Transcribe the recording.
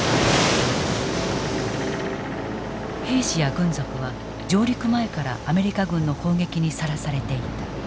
兵士や軍属は上陸前からアメリカ軍の攻撃にさらされていた。